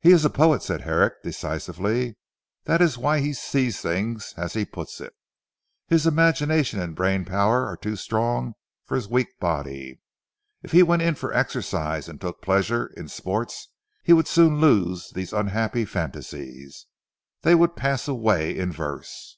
"He is a poet," said Herrick decisively, "that is why he 'sees things' as he puts it. His imagination and brain power are too strong for his weak body. If he went in for exercise and took pleasure in sport he would soon lose these unhealthy phantasies. They would pass away in verse."